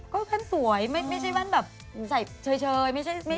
ก็แค่สวยไม่ใช่แว่นแบบใส่เฉยไม่ใช่สีน้ำ